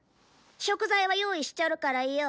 食材は用意しちゃるからよ。